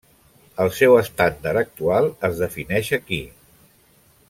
El seu estàndard actual es defineix aquí.